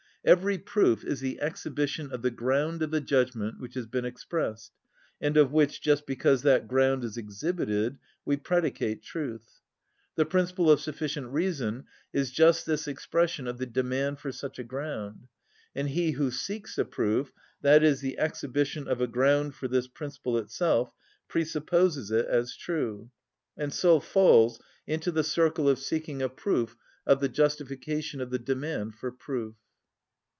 Every proof is the exhibition of the ground of a judgment which has been expressed, and of which, just because that ground is exhibited, we predicate truth. The principle of sufficient reason is just this expression of the demand for such a ground, and he who seeks a proof, i.e., the exhibition of a ground for this principle itself, presupposes it as true, and so falls into the circle of seeking a proof of the justification of the demand for proof.